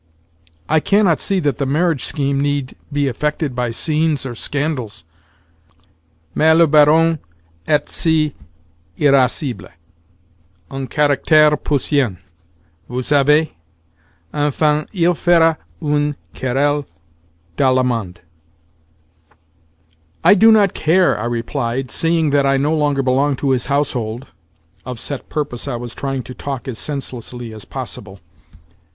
"I cannot see that the marriage scheme need, be affected by scenes or scandals." "Mais le Baron est si irascible—un caractère prussien, vous savez! Enfin il fera une querelle d'Allemand." "I do not care," I replied, "seeing that I no longer belong to his household" (of set purpose I was trying to talk as senselessly as possible).